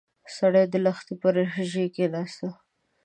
سړی د لښتي پر ژۍ کېناست.